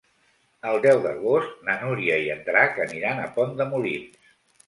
El deu d'agost na Núria i en Drac aniran a Pont de Molins.